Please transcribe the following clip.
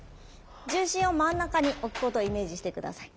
重心を真ん中に置くことをイメージして下さい。